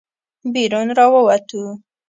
بېرون راووتو.